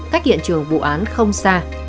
cách hiện trường vụ án không xa